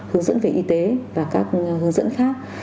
hướng dẫn về y tế và các hướng dẫn khác